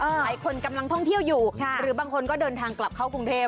หลายคนกำลังท่องเที่ยวอยู่หรือบางคนก็เดินทางกลับเข้ากรุงเทพ